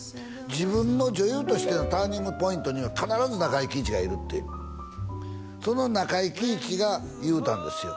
自分の女優としてのターニングポイントには必ず中井貴一がいるっていうその中井貴一が言うたんですよ